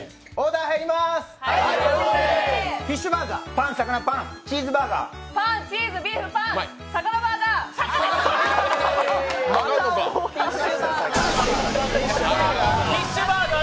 パン・魚・パンチーズバーガー！